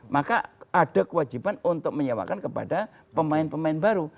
maka ada kewajiban untuk menyewakan kepada pemain pemain baru